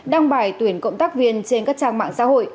đăng bài tuyển cộng tác viên trên các trang mạng xã hội